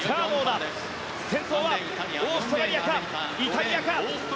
先頭はオーストラリアかイタリアか。